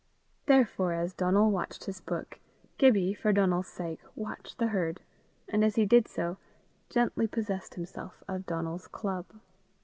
Therefore, as Donal watched his book, Gibbie for Donal's sake watched the herd, and, as he did so, gently possessed himself of Donal's club.